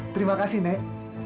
terima kasih nek